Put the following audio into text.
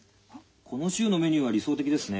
この週のメニューは理想的ですね。